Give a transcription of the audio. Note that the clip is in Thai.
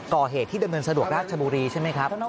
ก่อเหตุที่ดำเนินสะดวกราชบุรีใช่ไหมครับ